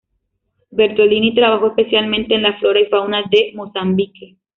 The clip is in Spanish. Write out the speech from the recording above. Bertolini trabajó especialmente en la flora y fauna de Mozambique.